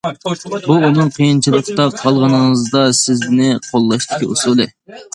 بۇ ئۇنىڭ قىيىنچىلىقتا قالغىنىڭىزدا سىزنى قوللاشتىكى ئۇسۇلى.